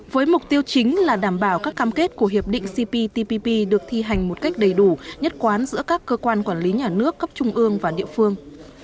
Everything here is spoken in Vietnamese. với mục tiêu chính là đảm bảo các cam kết của hiệp định cptpp được thi hành một cách đầy đủ nhất quán giữa các cơ quan quản lý nhà nước cấp trung ương và địa phương